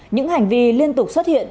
những hành vi liên tục xuất hiện